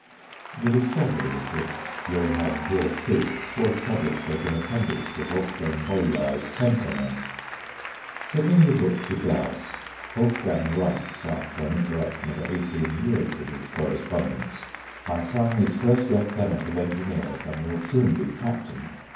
The discovery of which Johann here speaks was published as an appendix to Wolfgang Bolyai's Tentamen. Sending the book to Gauss, Wolfgang writes, after an interruption of eighteen years in his correspondence :" My son is first lieutenant of Engineers and will soon be captain.